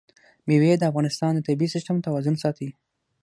مېوې د افغانستان د طبعي سیسټم توازن ساتي.